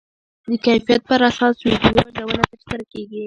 د کیفیت پر اساس ویډیو ارزونه ترسره کېږي.